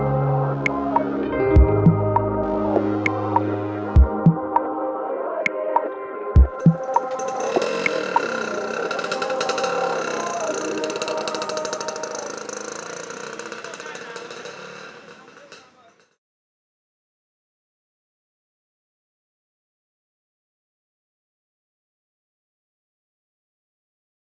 ถ้าเราไม่มีคอนโทรภาพเราจะต้องเอาเชือกร้อยเข้าไปในตะแกงกับตัวถัง